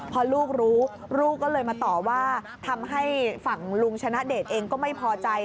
พอลูกรู้ลูกก็เลยมาต่อว่าทำให้ฝั่งลุงชนะเดชเองก็ไม่พอใจ